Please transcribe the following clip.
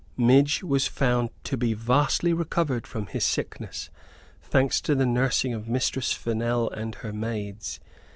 Midge was found to be vastly recovered from his sickness, thanks to the nursing of Mistress Fennel and her maids.